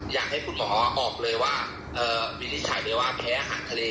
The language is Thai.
อยากให้คุณหมอออกเลยว่าวินิจฉัยไปว่าแพ้อาหารทะเล